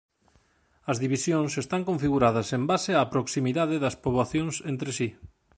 As divisións están configuradas en base á proximidade das poboacións entre si.